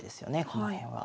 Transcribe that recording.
この辺は。